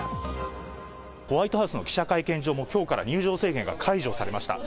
ホワイトハウスの記者会見場も、きょうから入場制限が解除されました。